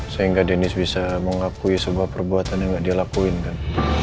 sehingga dennis bisa mengakui sebuah perbuatan yang gak dia lakuin kan